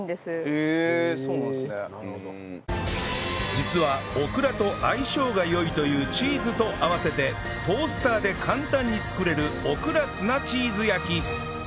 実はオクラと相性が良いというチーズと合わせてトースターで簡単に作れるオクラツナチーズ焼き